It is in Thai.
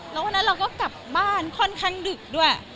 แล้ววันนั้นเราก็กลับบ้านค่อนข้างดึกด้วย